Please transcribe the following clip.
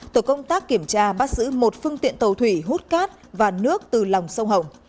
tổ công tác kiểm tra bắt giữ một phương tiện tàu thủy hút cát và nước từ lòng sông hồng